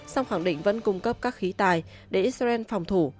song khẳng định vẫn cung cấp các khí tài để israel phòng thủ